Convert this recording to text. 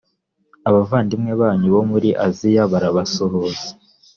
abavandimwe banyu bo muri aziya barabasuhuza